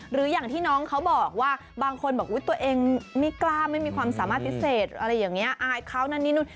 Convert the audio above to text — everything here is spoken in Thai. หรืออย่างที่น้องเขาบอกว่าบางคนบอกว่าตัวเองไม่กล้าไม่มีความสามารถพิเศษอะไรอย่างนี้